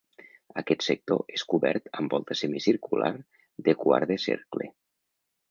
Aquest sector és cobert amb volta semicircular de quart de cercle.